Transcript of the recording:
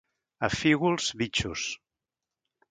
A Fígols, bitxos.